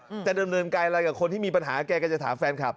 จะดำเนินการอะไรกับคนที่มีปัญหาแกก็จะถามแฟนคลับ